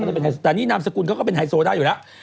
แต่นี่นามสกุลเขาก็เป็นไฮโซได้อยู่แล้ว